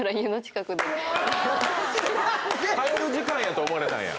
帰る時間やと思われたんや。